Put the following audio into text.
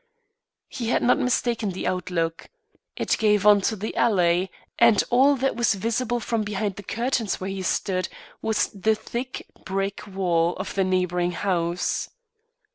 He had not mistaken the outlook. It gave on to the alley, and all that was visible from behind the curtains where he stood, was the high brick wall of the neighbouring house.